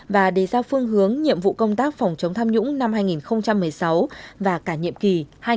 và đề ra phương hướng nhiệm vụ công tác phòng chống tham nhũng năm hai nghìn một mươi sáu và cả nhiệm kỳ hai nghìn một mươi năm hai nghìn hai mươi